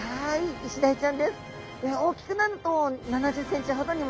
イシダイちゃん。